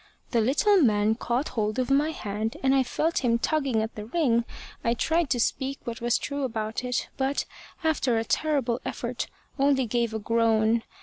The little man caught hold of my hand, and I felt him tugging at the ring. I tried to speak what was true about it, but, after a terrible effort, only gave a groan.